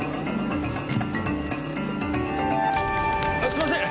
すいません！